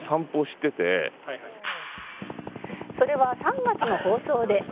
「それは３月の放送で」